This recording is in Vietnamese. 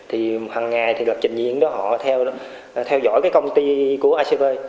hằng ngày lập trình diễn họ theo dõi công ty của icb